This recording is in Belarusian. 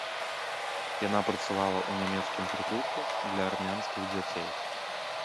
Яна працавала ў нямецкім прытулку для армянскіх дзяцей.